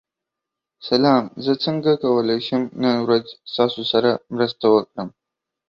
سلام، زه څنګه کولی شم نن ورځ ستاسو سره مرسته وکړم؟